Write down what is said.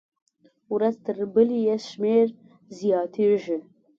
ورځ تر بلې یې شمېر زیاتېږي.